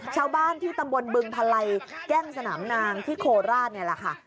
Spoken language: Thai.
ชาวบ้านที่ตำบลบึงพลัยแก้งสนามนางที่โคราชนี่แหละค่ะ